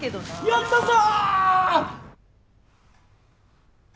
やったぞ！